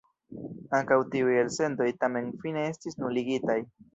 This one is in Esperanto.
Ankaŭ tiuj elsendoj tamen fine estis nuligitaj.